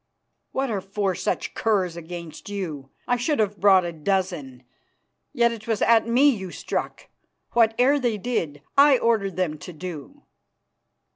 "What are four such curs against you? I should have brought a dozen. Yet it was at me you struck. Whate'er they did I ordered them to do."